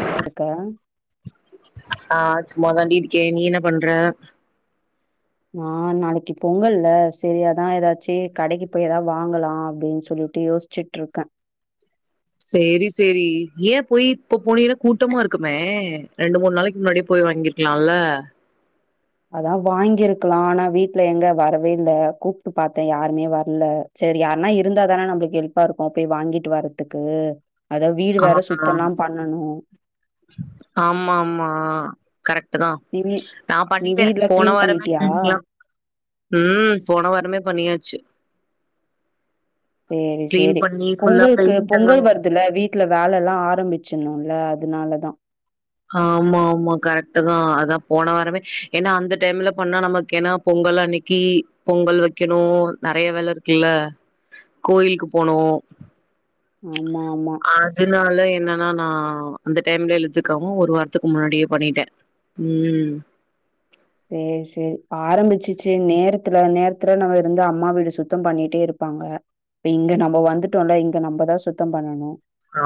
Hello [inaudible] இருக்க ஆ சும்மா தான்டி இருக்கே நீ என்ன பண்ற ஆ நாளைக்கு பொங்கல்ல சேரி அதா ஏதாச்சு கடைக்கு போய் ஏதாவது வாங்கலா அப்படின்னு சொல்லிட்டு யோசிச்ச ச்சிட்ருக்கே சேரி சேரி ஏ போய் இப்ப போனீன்னா கூட்டமா இருக்குமே ரெண்டு மூணு நாளைக்கு முன்னாடியே போய் வாங்கிருக் க்கலால்ல அதா வாங்கியிருக்கலா ஆனா வீட்டுல எங்க வரவே இல்ல கூப்பிட்டு பாத்தே யாருமே வரல சேரி யாருன்னா இருந்தான நம்மளுக்கு ஹெல்ப்பா இருக்கும் போய் வாங்கிட்டு வர்றதுக்கு அத வீடு ஆ வேற சுத்தல்லா பண்ணணு ஆமா ஆமா கரெக்ட் தா நீ வீ நா நீ பண்ணிட்டே வீட்ல போன கிளீன் வாரமே பண்ணிட்டியா கிளீனிங்ல்லா ம் போன வாரமே பண்ணியாச்சு சேரி கிளீன் சேரி பண்ணி ஃபுல்லா பொங்கலுக்கு பெயிண்ட் எல்லா பொங்கல் இதுல வீட்டுல வேலல்லா ஆரம்பிச்சணுல்ல அதனாலதா ஆமா ஆமா கரெக்ட் தா அதா போன வாரமே ஏன்னா அந்த டைம்ல பண்ணா நமக்கு ஏனா பொங்கல் அன்னைக்கி பொங்கல் வைக்கணு நறைய வேல இருக்குல்ல கோயிலுக்கு போனு ஆமா ஆமா அதனால என்னன்னா நா அந்த டைம்ல எழுத்துக்காம ஒரு வாரத்துக்கு முன்னாடியே பண்ணிட்டே ம் சேரி சேரி ஆரம்பிச்சிச்சு நேரத்துல நேரத்துல நம்ம இருந்து அம்மா வீடு சுத்தம் பண்ணிட்டே இருப்போ ப்பாங்க இங்க நம்ம வந்துட்டோல இங்க நம்மதா சுத்தோ பண்ணணு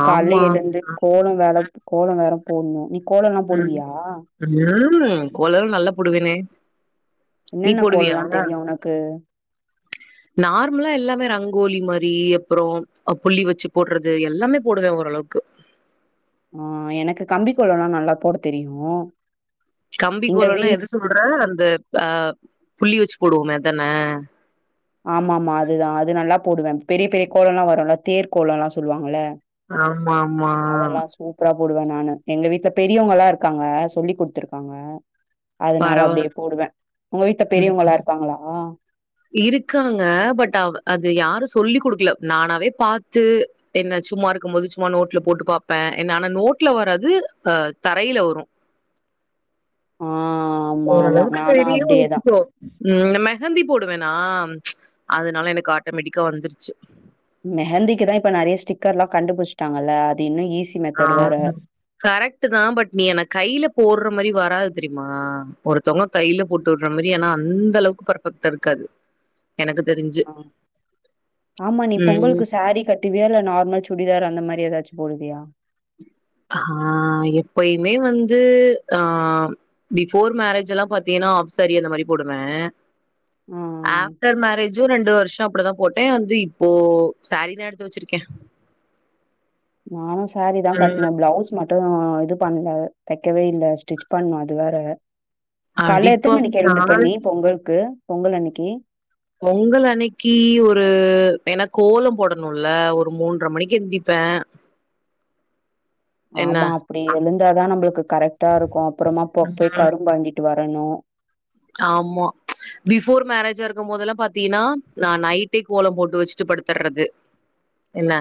கால்ல ஆமா எழுந்து கோலோ வேலா கோலோ வேற போடணு நீ கோலோல்லா ம் போடுவியா ம் கோலல்லா நல்லா போடுவேனே நீ என்னென்ன போடுவியா கோல்லா தெரியு உனக்கு நார்மலா எல்லாமே ரங்கோலி மாரி அப்பறோ புள்ளி வச்சு போடுறது எல்லாமே போடுவே ஓரளவுக்கு ஆ எனக்கு கம்பி கோலல்லா நல்லா போட தெரியு கம்பி எங்க கோலன்னா வீட் எது சொல்ற அந்த ஆ புள்ளி வச்சு போடுவோமே அதான ஆமா ஆமா அதுதா அது நல்லா போடுவே பெரிய பெரிய கோலல்லா வருல்ல தேர் கோலல்லா சொல்லுவாங்கல்ல ஆமா ஆமா அதெல்லா சூப்பரா போடுவே நானு எங்க வீட்டுல பெரியவங்கல்லா இருக்காங்க சொல்லி் குடுத்துருக்காங்க அதனால பரவால அப்படியே போடுவே உங்க வீட்டு ம் பெரியவங்களா இருக்காங்களா இருக்காங்க பட் அது யாரு சொல்லி் குடுக்கல நானாவே பாத்து என்ன சும்மா இருக்கும்போது சும்மா நோட்ல போட்டு பாப்பே என்ன ஆனா நோட்ல வராது அ தரையில வரும் [inaudible] ஆ ஆமா, ஆமா. ஓரளவுக்கு நானும் தெரியுன்னு அப்டியேதான். வெச்சுக்கோ ம் மெஹந்தி போடுவேனா அதனால எனக்கு ஆட்டோமேட்டிக்கா வந்துருச்சு மெஹந்திக்கு தா இப்ப நறைய ஸ்டிக்கர்ல்லா கண்டுபிச்சிட்டாங்கல்ல அது இன்னும் ஈஸி ஆ மெத்தட் வேற. கரெக்ட் தா பட் நீ என கையில போடுற மாரி வராது தெரியுமா ஒரு த்தவங்க கையில போட்டு விடுறமாரி ஆனா அந்த அளவுக்கு பெர்பெக்டா இருக்காது எனக்கு தெரிஞ் ஆ ஆமா நீ ம். பொங்கலுக்கு சேரீ கட்ட வியா இல்ல நார்மல் சுடிதார் அந்த மாரி எதாச்சு போடுவியா ஆ எப்பயுமே வந்து ஆ பிஃபோர் மேரேஜ் எல்லா பாத்தீங்கன்னா ஆப் சரி அந்த மாரி போடுவே ஆ. ஆஃப்டர் மேரேசு ரெண்டு வருஷோ அப்படிதா போட்ட வந்து இப்போ சேரீதா எடுத்து வெச்சிருக்கே நானு சேரீ தா ம் கட்டணு பிளவுஸ் மட்டு இது பண்ணல தைக்கவே இல்லா ஸ்டிச் பண்ணு அது வேற கால்ல எத்தன அடிப்பாவி மணிக்கு எழுந்துப்ப நாள் நீ பொங்கலுக்கு பொங்கல் அன்னைக்கி பொங்கல் அன்னைக்கி ஒரு ஏன்னா கோலம் போடணுன்ல ஒரு மூன்றர மணிக்கு எந்திப்பே [inaudible] என்ன ஆமா அப்டி எழுந்தாதா நம்மளுக்கு கரெக்டா இருக்கு அப்புறமா போ போய் ம். கரும்பு வாங்கிட்டு வரணு ஆமா பிஃபோர் மேரேஜா இருக்கு போதெல்லா பாத்தீங்கன்னா நா நைட் ட்டே கோலம் போட்டு வெச்சுட்டு படுத்தர்றது என்ன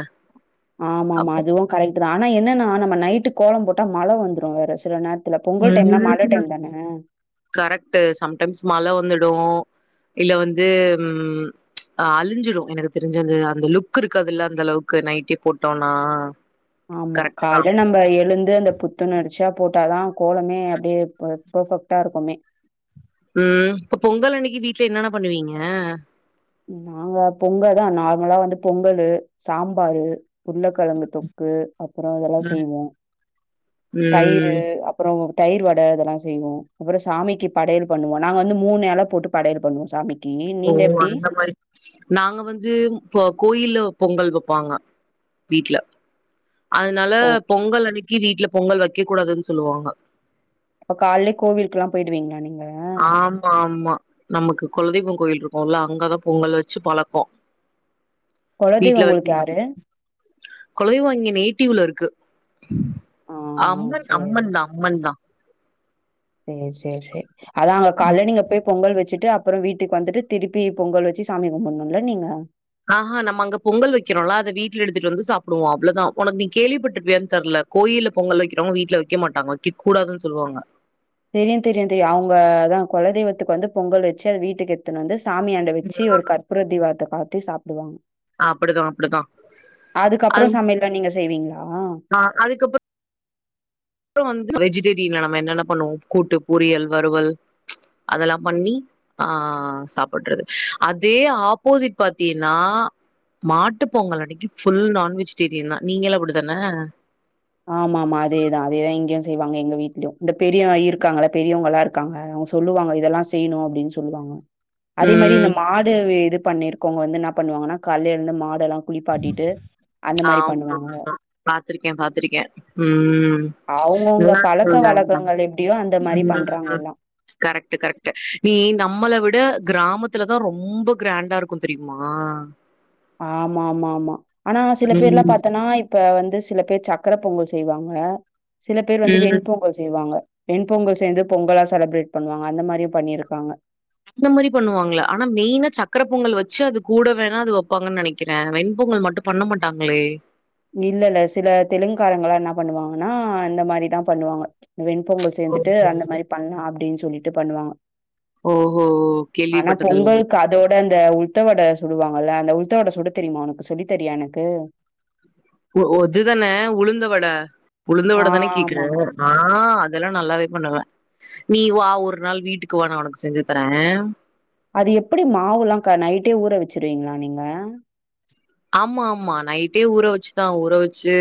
ஆமா ஆமா அப்ப அதுவு கரெக்ட் தா ஆனா என்னன்னா நம்ம நைட்டு கோலம் போட்டா மழ வந்துரு வேற சில நேரோ இதுல பொங்கல் டைம்லா மழ ம் டைம் தானே கரெக்ட்டு சம்டைம்ஸ் மழ வந்துடு இல்ல வந்து ம் அழிஞ்சிரு எனக்கு தெரிஞ்சு அந்த அந்த லுக் இருக்கதுல்ல அந்த அளவுக்கு நைட்டே போட்டோன்னா ஆமா காலை நம்ம எழுந்து அந்த பு புத்துணரிச்சியா போட்டாதா கோலமே அப்படியே பர்ஃபெக்டா இருக்குமே ம் இப்ப பொங்கல் அன்னைக்கி வீட்ல என்னென்ன பண்ணுவீங்க நாங்க பொங்கல் தா நார்மலா வந்து பொங்கலு சாம்பாரு உருளகெழங்கு தொக்கு அப்றோ இதெல்லா ம் செய்வோ தயிரு ம் அப்றோ தயர் வட இதெல்லா செய்வோ அப்றோ சாமிக்கு படையல் பண்ணுவோ நாங்க வந்து மூணு எல போட்டு படையல் பண்ணுவோ சாமிக்கி ஓ அந்த மாரி நாங்க வந்து கோயில்ல பொங்கல் வைப்பாங்க வீட்ல அதனால ஓ! பொங்கல் அன்னைக்கி வீட்ல பொங்கல் வைக்க கூடாதுன்னு சொல்லுவாங்க அப்ப காலே கோவிலுக்குல்லா போயிடுவீங்களா நீங்க ஆமா ஆமா நமக்கு கொலதெய்வோ கோயில் இருக்குல்ல அங்கதா பொங்கல் வெச்சு பழக்கோ குலதெய்வம் வீட்ல வெக்க உங்களுக்கு மா யாரு? கொழதெய்வோ எங்க நேட்டிவ்ல இருக்கு ஆ அம்மன் சேரி அம்மன் தா அம்மன்தா சேர் சேர் சேர் அதா அங்க காலைல நீங்க போய் பொங்கல் வெச்சுட்டு அப் அப்றோ வீட்டுக்கு வந்துட்டு திருப்பி பொங்கல் வெச்சி சாமி கும்பிண்ணுல்ல நீங்க ஆஹா நம்ம அங்க பொங்கல் வெக்கிறோல்ல அத வீட்ல எடுத்திட்டு வந்து சாப்டுவோ அவ்ளோதா ஒனக்கு நீ கேள்விப்பட்டுருப்பியான்னு தெர்ல கோயில்ல பொங்கல் வெக்கிறவங்க வீட்ல வெக்க மாட்டாங்க வெக்க கூடாதுன்னு சொல்லுவாங்க தெரியு தெரியு தெரியு அவுங்க அதா கொலதெய்வத்துக்கு வந்து பொங்கல் வெச்சு அது வீட்டுக்கு எடுத்துன்னு வந்து சாமி அ வெச்சு ஒரு கற்பூர தீபராத்த காத்தி சாப்பிடுவாங்க அப்படிதான் அப்படிதான் அதுக்கப்றோ சமையல்லா நீங்க செய்வீங்களா ஆ அதுக்கப்புறோ அப்றோ வந்து வெஜிடேரியன்ல நம்ம என்னென்ன பண்ணுவோ கூட்டு பொரியல் வறுவல் அதெல்லா பண்ணி ஆ சாப்பிட்றது அதே ஆப்போசிட் பாத்தீன்னா மாட்டுப் பொங்கல் அன்னிக்கு ஃபுல் நான்வெஜிடேரியன் தா நீங்களு அப்டிதான ஆமாமாம்மா அதேதா அதேதா இங்கயு செய்வாங்க எங்க வீட்லயு இந்த பெரியவ இருக்காங்கள்ல பெரியவங்களா இருக்கு காங்க அவங்க சொல்லுவாங்க இதெல்லா செய்யனு அப்டின்னு சொல்லுவாங்க அதே மாரி இந்த ம் மாடு இது பண்ணிருக்கோவங்க வந்து என்ன பண்ணுவாங்கன்னா காலையில இருந்து மாடெல்லா குளிப்பாட்டிட்டு அந்த மாரி பண்ணுவாங்க பாத்திருக்கே பாத்திருக்கே ம் அவங்கவுங்க நல்லா பழக்க இருக்கும்ல வழக்கங்கள் எப்படியோ அந்த மாரி பண்றாங்க ம். எல்லா கரெக்ட் கரெக்ட் நீ நம்மள விட கிராமத்துலதா ரொம்ப கிராண்டா இருக் உன்கு தெரிமா ஆமா ஆமா ஆமா ஆனா சில பேர்லா ம். பாத்தன்னா இப்ப வந்து சில பேர் சக்ர பொங்கல் செய்வாங்க சில பேர் வந்து ம். வெண்பொங்கல் செய்வாங்க வெண் பொங்கல் சேந்து பொங்கலா செலிப்ரேட் பண்ணுவாங்க அந்த மாரியு பண்ணியிருக்காங்க இந்த மாரி பண்ணுவாங்களா ஆனா மெயினா சக்கர பொங்கல் வச்சு அது கூட வேணா அது வப்பாங்கன்னு நெனக்கிறே வெண்பொங்கல் மட்டு பண்ண மாட்டாங்களே இல்லல்ல சில தெலுங்காரங்களா என்ன பண்ணுவாங்கன்னா இந்த மாரிதா பண்ணுவாங்க வெண்பொங்கல் சேந்துட்டு ஓஹோ! அந்த மாரி பண்ணா அப்டின்னு சொல்லிட்டு பண்ணுவாங்க ஓஹோ! ஆனா கேள்விப்பட்டதில்ல. பொங்கலுக்கு அதோட அந்த உப் உள்த்த வட சுடுவாங்கல்ல அந்த உளுத்த வட சுட தெரியுமா ஒனக்கு சொல்லி தரியா எனக்கு ஒதுதான உளுந்தவட ஆ உளுந்தவட தான கேக்குற ஆமாமா. ஆ அதெல்லா நல்லாவே பண்ணுவ நீ வா ஒரு நாள் வீட்டுக்கு வா நா ஒனக்கு செஞ்சு தர அது எப்டி மாவுல்லாக்கா நைட்டே ஊற வச்சருவீங்களா நீங்க ஆம்மா ஆம்மா நைட்டே ஊற வச்சுதா ஊற வெச்சு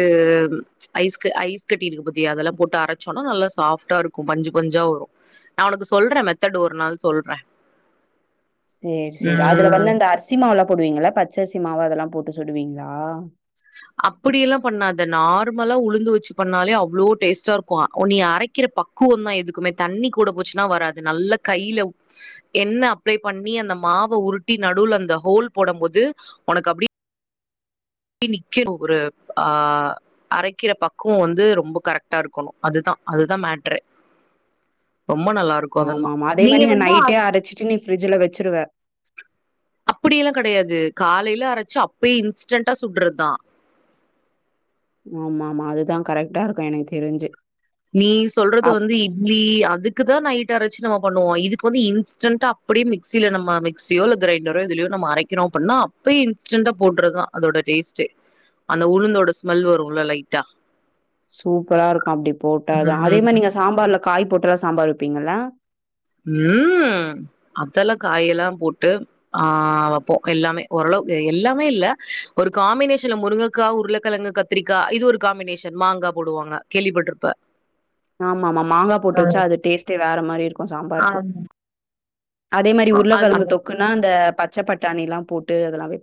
ஐஸ்கு ஐஸ் கட்டி ருக்கு பாத்தியா அதெல்லா போட்டு அரைச்சோன்னா நல்லா சாஃப்டா ருக்கு பஞ்சு பஞ்சா வரு நா ஒனக்கு சொல்ற மெத்தட் ஒரு நாள் சொல்ற செர் செரி அதுல வந்து அந்த அரிசி மாவுல்லா போடுவீங்களா பச்சரிசி மாவு அதெல்லா போட்டு சுடுவீங்களா அப்டியெல்லா பண்ணாத நார்மலா உளுந்து வச்சு பண்ணாலே அவ்ளோ டேஸ்ட்டா ருக்கு நீ அரைக் கிற பக்குவோ தா எதுக்குமே தண்ணி கூட போச்சுன்னா வராது நல்ல கைல எண்ண அப்ளை பண்ணி அந்த மாவ உருட்டி நடுல அந்த ஹோல் போடம் போது ஒனக்கு அப்டி நிக்கனு ஒரு ஆஹ் அரக்கிற பக்குவோ வந்து ரொம்ப கரெக்டா இருக்கணு அதுதா அதுதா மேட்ரே ரொம்ப நல்லா ஆமாம்மா அதே மாநீ நா நைட்டே அரச்சிட்டு நீ பிரிஜ்ல வச்சுருவ அப்டியெல்லா கெடையாது காலைல அரச்சு அப்பயே இன்ஸ்டன்டா சுட்றதுதா ஆமாம்மா அதுதா கரெக்ட்டா இருக்கு எனக்கு தெருஞ்சு நீ சொல்றது வந்து இட்லி அதுக்குதா நைட் அரச்சு நம்ம பண்ணுவோ இதுக்கு வந்து இன்ஸ்டண்டா அப்டி மிக்சில நம்ம மிக்ஸியோ இல்ல கிரைண்டரோ எதுலையோ நம்ம அரக்கிறோ அப்பன்னா அப்பயு இன்ஸ்டென்டா போட்றதா அதோட டேஸ்ட்டே அந்த உளுந்தோட ஸ்மெல் வருல லைட்டா சூப்பரா இருக்கு அப்டி போட்டா தா அதே மாரி ம் நீங்க சாம்பார்ல காய் போட்டுலா சாம்பார் வப்பிங்கல்ல ம் அதெல்லா காய் எல்லா போட்டு ஆ வப்போ எல்லாமே ஓரளவு எல்லாமே இல்ல ஒரு காம்பினேஷன்ல முருங்கக்கா உருளக்கெழங்கு கத் திரிக்கா இது ஒரு காம்பினேஷன் மாங்கா போடுவாங்க கேள்விப்பட்ருப்ப ஆமா ஆமா மாங்கா போட்டு வச்சா அது டேஸ்ட்டே வேற மாரி இருக்கு சாம்பாருக்கு ஆமா அதே மாரி அது உருளக்கெழங்கு ஆமா. தொக்குன்னா அந்த பச்ச பட்டாணில்லா போட்டு அதெல்லா வெ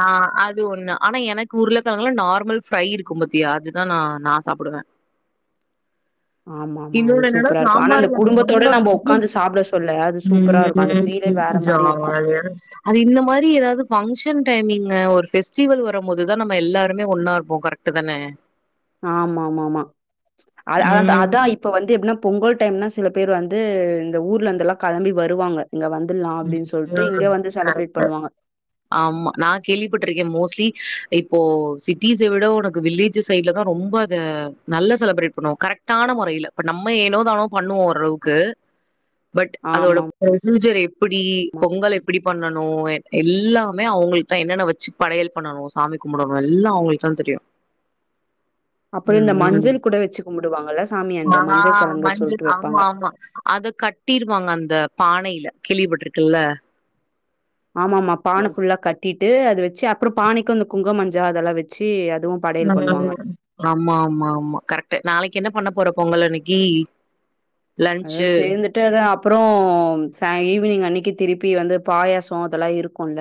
ஆ அ து ஒண்ணு ஆனா எனக்கு உருளக்கெழங்குல நார்மல் ஃப்ரை இருக்கு பாத்தியா அது தா நா சாப்டுவ ஆமாமா அது இன்னொன்னு என்னன்னா சூப்பரா இருக்கு ஆனா அந்த சாம்பார்ல குடும்பத்தோட மாங்கா நம்ம போட்டு ஒக்காந்து சாப்ட சொல்ல அது சூப்பரா இருக்கும். அந்த ஃபீலே வேற [inaudible] மாரி இருக்கும். ஜாலியா இருன்ச்சு அது இந்த மாரி எதாது ஃபங்ஷன் டைமிங்கு ஒரு ஃபெஸ்டிவல் வரும் போது தா நம்ம எல்லாருமே ஒன்னா இருப்போ கரெக் ட்டு தான ஆமா ஆமா ஆமா அது அத ம் அதா இப்ப வந்து எப்டினா பொங்கல் டைம்னா சில பேர் வந்து இந்த ஊர்லெந்துலா களம்பி வருவாங்க இங்க வந்துல்லா ம் அப்டின் சொல்ட்டு இங்க ம். வந்து செலப்ரேட் கரெக்ட் பண்ணுவாங்க ஆமா நா கேள்விப்பட்டிருக்கே மோஸ்ட்லி இப்போ சிட்டிச விட உனக்கு வில்லேஜு சைட்லதா ரொம்ப இத நல்லா செலப்ரேட் பண்ணுவாங் கரெக்டான மொறையில பட் நம்ம ஏனோ தானோ பண்ணுவோ ஓரளவுக்கு பட் அதோட ஆமா. ப்ரொசீஜர் எப்படி பொங்கல் எப்படி பண்ணனு எ எல்லாமே அவுங்களுக்தா என்னென்ன வெச்சு படையல் பண்ணனு சாமி கும்படணு எல்லா அவுங்களுக் தா தெரியு அப்றோ ம் இந்த மஞ்சள் கூட வெச்சு கும்புடுவாங்கல சாமி ம் அந்த ஆ மஞ்ச கெழங்கு மஞ்ச சொல்ட்டு வெப்பாங்க ஆமா ஆமா அத கட்டிருவாங்க அந்த பானையில கேள்விப்பட்டிருக்கல்ல ஆமாமா பான ஃபுல்லா கட்டிட்டு அது வெச்சு அப்புறோ பானைக்கு அந்த குங்கோமஞ்சா அதெல்லா வெச்சு அதுவு ம் ம் ம் ஆமா ஆமா ஆமா கரெக்ட்டு நாளைக்கென்ன பண்ண போற பொங்கல் அன்னைக்கி அதா சேந்துட் ட்டது அப்புறோ சா ஈவ்னிங் அன்னைக்கி திருப்பி வந்து பாயாசோ அதெல்லா இருக்குல்ல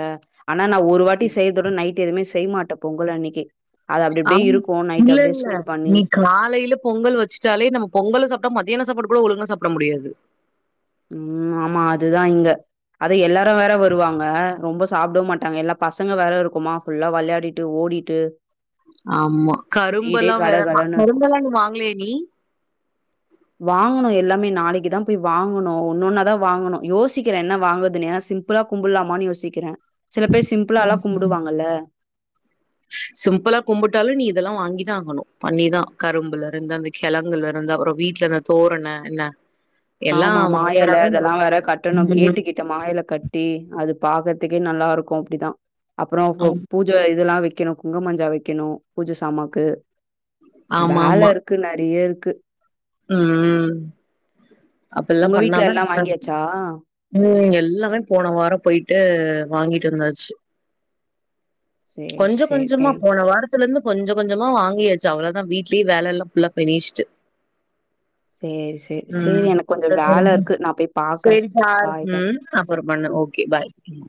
ஆனா நா ஒரு வாட்டி செய்ற்தோட நைட் எதுமே செய் மாட்ட பொங்கல் அன்னைக்கி ஆமா இல்ல இல்ல பண்ணி நீ காலையில பொங்கல் வெச்சு சாலே நம்ம பொங்கலு சாப்டா மதியானோ சாப்பாடு கூட ஒழுங்க சாப்ட முடியாது ம் ஆமா அதுதா இங்க அது எல்லாரு வேற வருவாங்க ரொம்ப சாப்டவு மாட்டாங்க எல்லா பசங்க வேற இருக்குமா ஃபுல்லா வெளயாடிட்டு ஓடிட்டு ஆமா வீடே கரும்பெல்லா வேற கடகடன்னு இருக்கும். கரும்பெல்லா நீ வாங்கலியா நீ வாங்கணு எல்லாமே நாளைக்குதா போய் வாங் கணு ஒன்னென்னாதா வாங்கணு யோசிக்கற என்ன வாங்கற்துனு ஏனா சிம்பிளா கும்புல்லாமானு யோசிக்கிறே சில பேர் சிம்பிளால்லா ம். கும்புடுவாங்கல்ல சிம்பிளா கும்புட்டாலு நீ இதெல்லா வாங்கிதா ஆகணு பண்ணி தா கரும்புல இருந்து அந்த கெழங்குலருந்து அப்புறோ வீட்ல அந்த தோரண என்ன ஆமா மா எலை அதெல்லா வேற கட்டணு கேட்டுக்கிட் ட மா எல கட்டி அது பாக்கற்துக்கே நல்லாருக்கு அப்டிதா அப்புறோ ஒ பூ கொஞ்சோ இதெல்லா வெக்கணு குங்குமஞ்சா வெக்கணு பூஜ சாமாவ்க்கு வேல ஆமா இரு க்கு நெறைய இருக்கு ம் அப்பில்லா உங்க பண்ணா வீட்ல தா எல்லா வாங்கியாச்சா? [inaudible] ம் எல்லாமே போன வாரோ போய்ட்டு வாங்கிட்டு வந்தாச்சு சேரி கொஞ்சோ சேரி எ கொஞ்சமா போன வார த்துலந்து கொஞ்ச கொஞ்சமா வாங்கி வெச்ச அவ்ளோதா வீ்ட்லியு வேல எல்லா ஃபுல்லா ஃபினிஷ்டு. சேரி சேரி சேரி ம் எனக்கு கொஞ்சோ வேல இருக்கு நா போய் [inaudible] பாக்கறே. செரி பாரு பாய் பாய் ம் அப்பற ம். பண்ணு ஓகே பாய் ம்